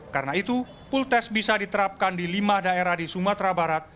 karena itu pultes bisa diterapkan di lima daerah di sumatera barat